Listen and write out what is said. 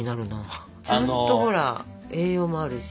ちゃんとほら栄養もあるし。